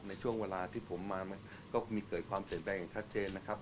ในช่วงเวลาที่ผมมาก็มีเกิดความเสร็จแรงชัดเจนนะครับ